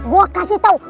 gue kasih tahu